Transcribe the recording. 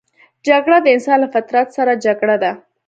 جګړه د انسان له فطرت سره جګړه ده